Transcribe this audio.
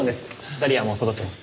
ダリアもそろってます。